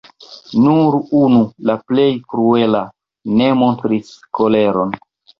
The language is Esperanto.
Nur unu, la plej kruela, ne montris koleron.